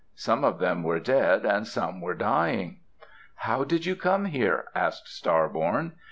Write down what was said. Some of them were dead and some were dying. "How did you come here?" asked Star born.